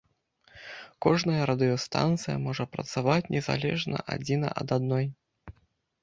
Кожная радыёстанцыя можа працаваць незалежна адзіна ад адной.